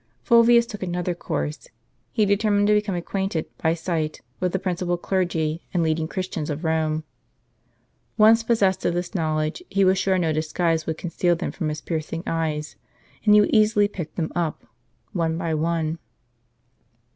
Fulvius took another course. He determined to become acquainted, by sight, with the principal clergy, and leading Christians, of Rome. Once possessed of this knowledge, he was sure no disguise would conceal them from his piercing eyes; and he would easily pick them uj), one by one.